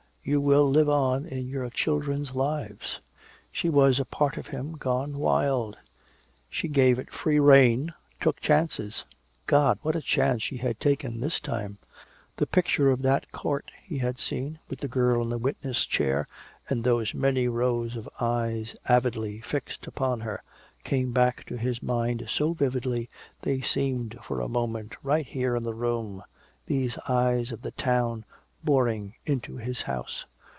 "You will live on in our children's lives." She was a part of him gone wild. She gave it free rein, took chances. God, what a chance she had taken this time! The picture of that court he had seen, with the girl in the witness chair and those many rows of eyes avidly fixed upon her, came back to his mind so vividly they seemed for a moment right here in the room, these eyes of the town boring into his house.